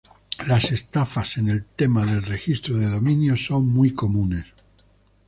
Las estafas en el tema del registro de dominios son muy comunes.